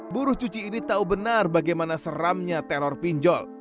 buruh cuci ini tahu benar bagaimana seramnya teror pinjol